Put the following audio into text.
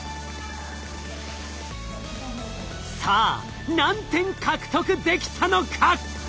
さあ何点獲得できたのか？